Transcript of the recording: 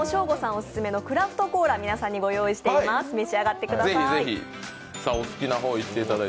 オススメのクラフトコーラ、皆さんにご用意しています召し上がってください。